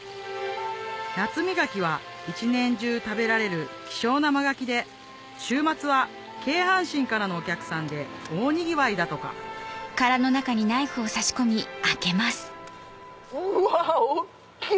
なつみ牡蠣は一年中食べられる希少な真牡蠣で週末は京阪神からのお客さんで大にぎわいだとかうわ大っきい！